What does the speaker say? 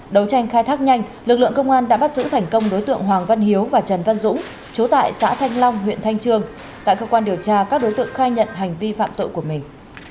đấu tranh khai thác nhanh lực lượng công an đã bắt giữ thành công đối tượng hoàng văn hiếu và trần văn dũng chú tại xã thanh long huyện thanh trương tại cơ quan điều tra các đối tượng khai nhận hành vi phạm tội của mình